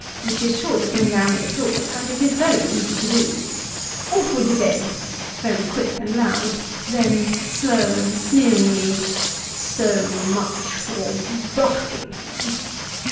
" which is sure to bring down the applause, and it is very easy to do " Orf with his ed " (very quick and loud ; then slow and sneeringly) " So much for Bu u u uckinghain